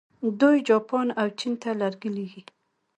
دوی جاپان او چین ته لرګي لیږي.